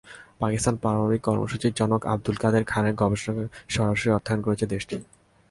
পাকিস্তানের পারমাণবিক কর্মসূচির জনক আবদুল কাদের খানের গবেষণায় সরাসরি অর্থায়ন করেছে দেশটি।